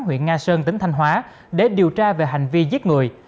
huyện nga sơn tỉnh thanh hóa để điều tra về hành vi giết người